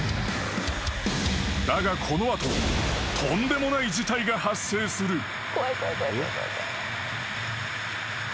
［だがこの後とんでもない事態が発生する］